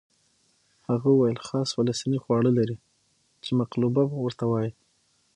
هغه وویل خاص فلسطیني خواړه لري چې مقلوبه ورته وایي.